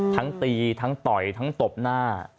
ทั้งตีทั้งต่อยทั้งตบหน้า